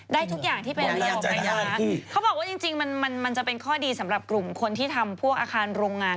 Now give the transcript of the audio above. ได้ทุกอย่างที่มีออกไปเขาบอกว่าจริงมันจะเป็นข้อดีสำหรับกลุ่มคนที่ทำพวกอาคารโรงงาน